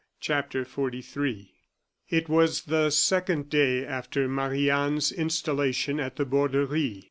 CHAPTER XLIII It was the second day after Marie Anne's installation at the Borderie.